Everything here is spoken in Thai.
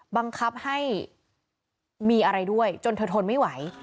บังคับให้มีอะไรด้วยจนเธอทนไม่ไหว